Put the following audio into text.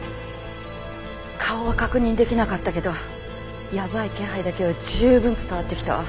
顔は確認できなかったけどやばい気配だけは十分伝わってきたわ。